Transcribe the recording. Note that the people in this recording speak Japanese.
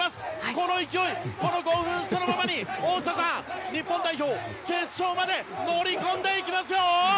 この勢い、この興奮そのままに大下さん、日本代表決勝まで乗り込んでいきますよ！